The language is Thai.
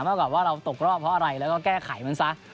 มากกว่าว่าเราตกรอบเพราะอะไรแล้วก็แก้ไขมันซะ